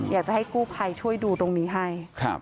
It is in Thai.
อยากจะให้กู้ภัยช่วยดูตรงนี้ให้